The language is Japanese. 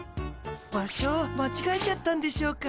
場所間違えちゃったんでしょうか？